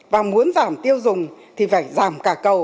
và muốn giảm tiêu dùng thì phải giảm cả cầu